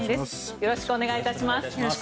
よろしくお願いします。